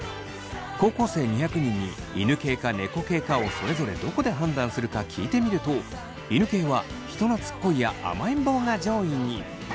高校生２００人に犬系か猫系かをそれぞれどこで判断するか聞いてみると犬系は人なつっこいや甘えん坊が上位に！